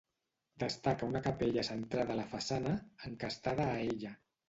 Destaca una capella centrada a la façana, encastada a ella.